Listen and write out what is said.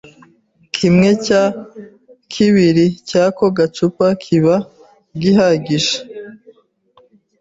kimwe cyakibiri cy' ako gacupa kiba gihagije.